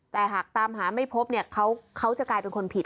แต่หากตามหาไม่พบเนี่ยเขาจะกลายเป็นคนผิด